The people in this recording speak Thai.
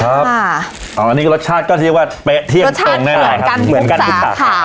ครับอ่าอันนี้รสชาติก็ที่เรียกว่าเป๊ะเที่ยงตรงแน่นอนครับเหมือนกันทุกสาขา